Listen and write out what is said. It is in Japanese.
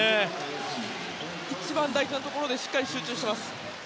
一番大事なところでしっかり集中しています。